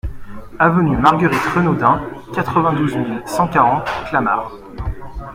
Avenue Marguerite Renaudin, quatre-vingt-douze mille cent quarante Clamart